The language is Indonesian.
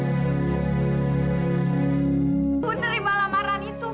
aku menerima lamaran itu